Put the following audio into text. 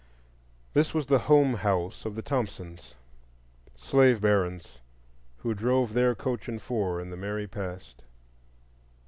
This was the "home house" of the Thompsons,—slave barons who drove their coach and four in the merry past.